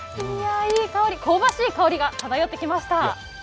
いい香り、香ばしい香りが漂ってきました。